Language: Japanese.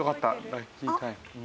ラッキータイム。